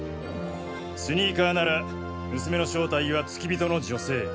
スニーカーなら娘の正体は付き人の女性。